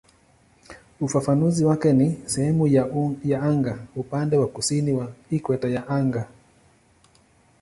Ufafanuzi wake ni "sehemu ya anga upande wa kusini wa ikweta ya anga".